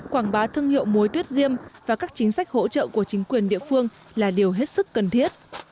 quảng bá thương hiệu mối tuyết diêm và các chính sách hỗ trợ của chính quyền địa phương là điều hết sức cần thiết